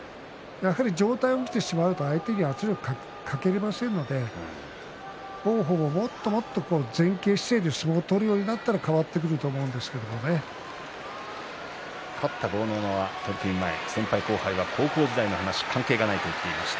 上体が起きてしまうと相手に圧力をかけられませんので王鵬ももっと前傾姿勢で相撲を取れるようになると変わってくると勝った豪ノ山先輩後輩は高校時代の話で関係ないと取組前に話していました。